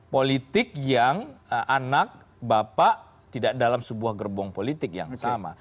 politik yang anak bapak tidak dalam sebuah gerbong politik yang sama